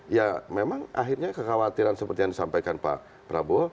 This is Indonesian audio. ya memang akhirnya kekhawatiran seperti yang disampaikan pak prabowo